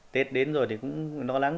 tết đến rồi thì cũng lo lắng